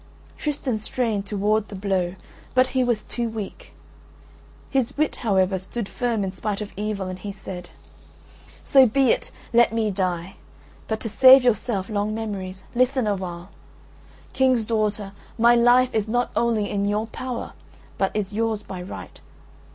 Tristan strained to ward the blow, but he was too weak; his wit, however, stood firm in spite of evil and he said: "So be it, let me die: but to save yourself long memories, listen awhile. King's daughter, my life is not only in your power but is yours of right.